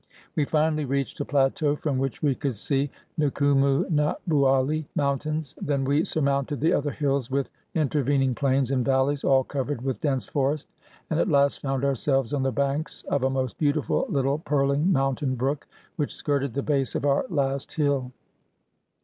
We finally reached a plateau from which we could see Nkoumou Nabouali Moun tains. Then we surmounted the other hills, with interven ing plains and valleys, all covered with dense forest, and at last found ourselves on the banks of a most beautiful little purling mountain brook, which skirted the base of our last hill.